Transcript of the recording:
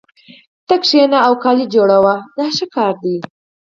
ته کښېنه او جامې ګنډه دا کار ښه دی